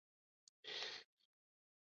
ښتې د افغانستان د صنعت لپاره مواد برابروي.